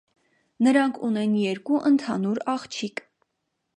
Նրանք ունեն երկու ընդհանուր աղջիկ։